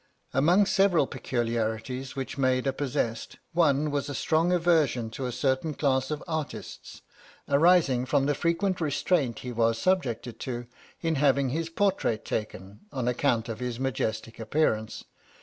"Among several peculiarities which Maida possessed, one was a strong aversion to a certain class of artists, arising from the frequent restraints he was subjected to in having his portrait taken, on account of his majestic appearance.